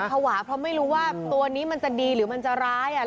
ภาวะเพราะไม่รู้ว่าตัวนี้มันจะดีหรือมันจะร้ายอ่ะ